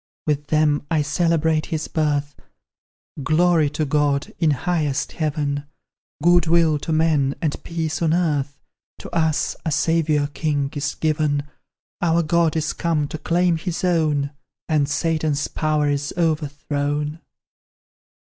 With them I celebrate His birth Glory to God, in highest Heaven, Good will to men, and peace on earth, To us a Saviour king is given; Our God is come to claim His own, And Satan's power is overthrown!